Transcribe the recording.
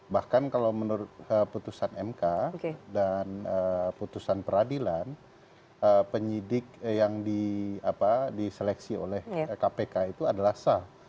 bahkan kalau menurut putusan mk dan putusan peradilan penyidik yang diseleksi oleh kpk itu adalah sah